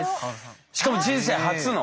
しかも人生初の？